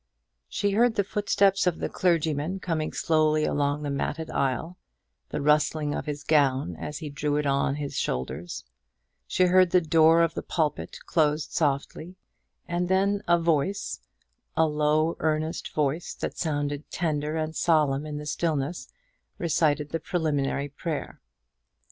She heard the footsteps of the clergyman coming slowly along the matted aisle the rustling of his gown as he drew it on his shoulders; she heard the door of the pulpit closed softly, and then a voice, a low earnest voice, that sounded tender and solemn in the stillness, recited the preliminary prayer.